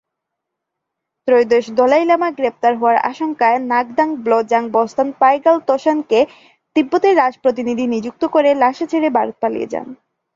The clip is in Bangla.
ত্রয়োদশ দলাই লামা গ্রেপ্তার হওয়ার আশঙ্কায় ঙ্গাগ-দ্বাং-ব্লো-ব্জাং-ব্স্তান-পা'ই-র্গ্যাল-ম্ত্শানকে তিব্বতের রাজপ্রতিনিধি নিযুক্ত করে লাসা ছেড়ে ভারত পালিয়ে যান।